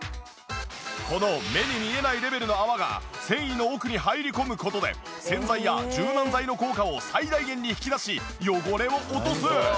この目に見えないレベルの泡が繊維の奥に入り込む事で洗剤や柔軟剤の効果を最大限に引き出し汚れを落とす！